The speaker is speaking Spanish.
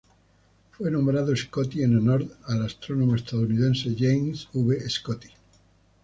Fue nombrado Scotti en honor al astrónomo estadounidense James V. Scotti.